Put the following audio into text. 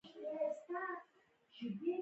کارغه په مار تیږې وغورځولې او هغه یې وشړل.